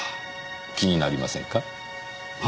気になりませんか？は？